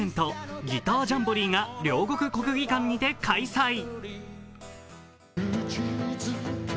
・ギタージャンボリーが両国国技館にて開催。